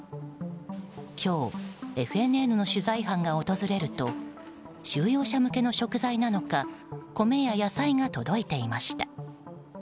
今日、ＦＮＮの取材班が訪れると収容者向けの食材なのか米や野菜などが届いていました。